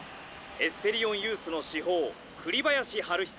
エスペリオンユースの至宝栗林晴久